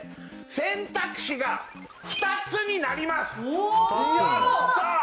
選択肢が２つになりますおー！